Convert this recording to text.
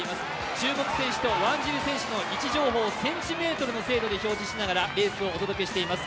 注目選手とワンジル選手の位置情報をセンチメートルの精度でレースをお届けしています。